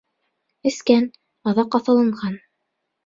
Эскән, аҙаҡ аҫылынған.